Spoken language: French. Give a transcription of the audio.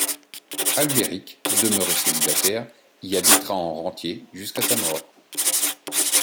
Albéric, demeuré célibataire, y habitera en rentier, jusqu'à sa mort.